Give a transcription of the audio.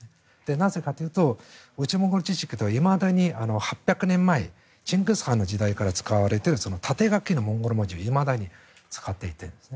なぜかというと内モンゴル自治区ではいまだに１８００年代から使われている縦書きのモンゴル文字をいまだに使っているんです。